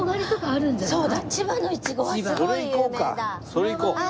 それ行こうか！